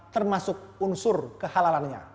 termasuk unsur kehalalannya